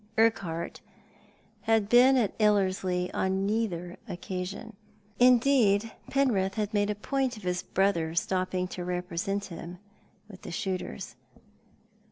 Urquhart had been at Ellerslie on neither occasion. Indeed, Penrith had made a point of his brother stopping to represent him with the shooters.